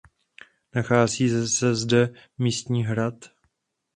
Nachází se zde místní hrad.